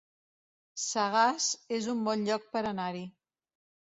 Sagàs es un bon lloc per anar-hi